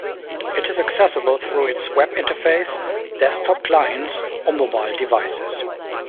It is accessible through its web interface, desktop clients or mobile devices.